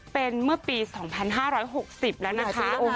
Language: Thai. เป็นเมื่อปี๒๕๖๐แล้วนะคะ